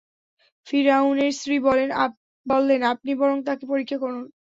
ফিরআউনের স্ত্রী বললেন, আপনি বরং তাকে পরীক্ষা করুন।